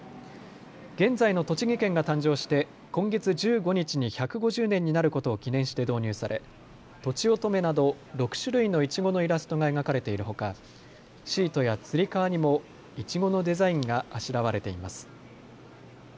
現在の栃木県が誕生して今月１５日に１５０年になることを記念して導入され、とちおとめなど６種類のいちごのイラストが描かれているほかシートやつり革にもいちごのデザインがあしらわれています。